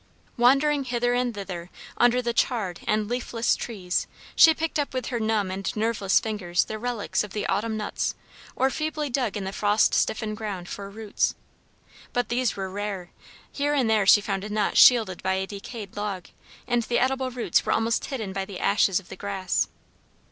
Wandering hither and thither under the charred and leafless trees, she picked up with her numb and nerveless fingers the relics of the autumn nuts or feebly dug in the frost stiffened ground for roots. But these were rare; here and there she found a nut shielded by a decayed log, and the edible roots were almost hidden by the ashes of the grass.